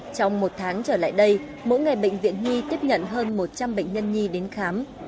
trong một tháng trở lại đây mỗi ngày bệnh viện nhi tiếp nhận hơn một trăm linh bệnh nhân nhi đến khám